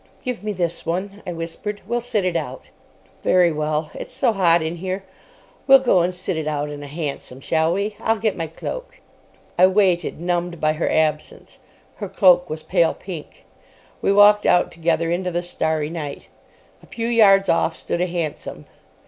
"Give me this one," I whispered. "We'll sit it out." "Very well. It's so hot in here. We'll go and sit it out in a hansom, shall we? I'll get my cloak." I waited, numbed by her absence. Her cloak was pale pink. We walked out together into the starry night. A few yards off stood a hansom.